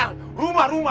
masyarakat di maya